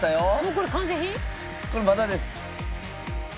これまだです。